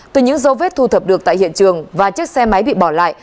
từ những dấu vết thu thập được tại hiện trường và chiếc xe máy bị bỏ lại